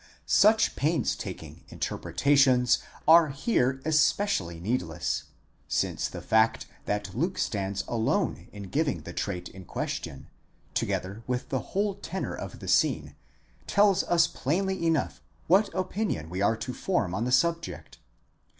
Such pains taking inter pretations are here especially needless, since the fact that Luke stands alone in giving the trait in question, together with the whole tenor of the scene, tells us plainly enough what opinion we are to form on the subject.